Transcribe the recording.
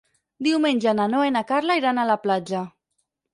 Diumenge na Noa i na Carla iran a la platja.